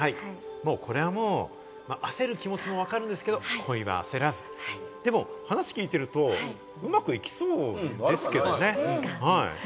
これは、もう、焦る気持ちは分かるんですけれど、恋はあせらず、でも話を聞いていると、うまくいきそうですけれどもね。